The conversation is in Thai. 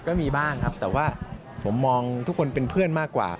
ก็มีบ้างครับแต่ว่าผมมองทุกคนเป็นเพื่อนมากกว่า